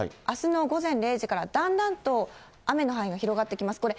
あすの午前０時から、だんだんと雨の範囲が広がってきます。